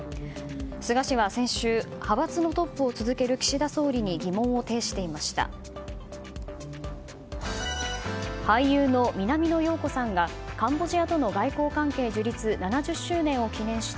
菅氏は先週派閥のトップを続ける岸田総理に疑問を呈していました。